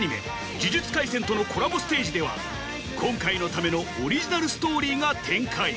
『呪術廻戦』とのコラボステージでは今回のためのオリジナルストーリーが展開